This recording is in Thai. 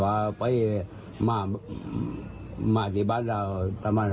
แต่ลูกไม่เห็นที่มีเกี่ยวธุรกิจเกี่ยวธุรกิจ